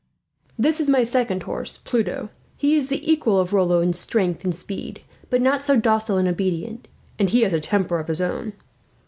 "This is my second horse, Pluto. He is the equal of Rollo in strength and speed, but not so docile and obedient, and he has a temper of his own."